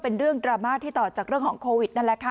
เป็นเรื่องดราม่าที่ต่อจากคอนเวิส